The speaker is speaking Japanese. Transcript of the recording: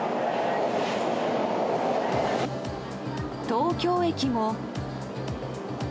東京駅も。